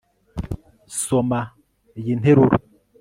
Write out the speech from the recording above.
soma iyi nteruro